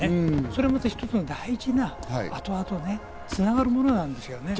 それまた一つの大事な、後々ね、つながるものなんですよね。